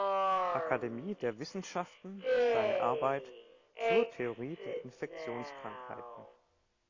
Akademie der Wissenschaften seine Arbeit "„Zur Theorie der Infektionskrankheiten“".